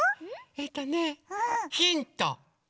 えっとねヒント！